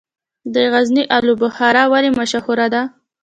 د غزني الو بخارا ولې مشهوره ده؟